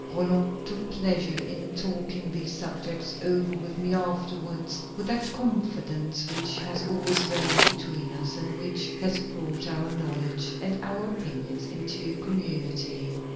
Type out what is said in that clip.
Roland took pleasure in talking these subjects over with me afterwards with that confidence which has always reigned between us, and which has brought our knowledge and our opinions into community."